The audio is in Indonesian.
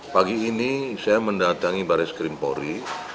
pagi ini saya mendatangi baris krimpori